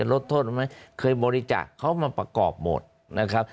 ลดโทษไหมเคยบริจาคเขามาประกอบหมดนะครับ